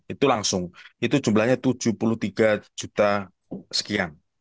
itu langsung itu jumlahnya tujuh puluh tiga juta sekian